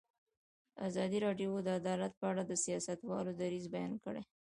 ازادي راډیو د عدالت په اړه د سیاستوالو دریځ بیان کړی.